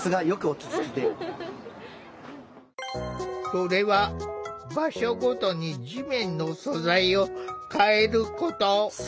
それは場所ごとに地面の素材を変えること。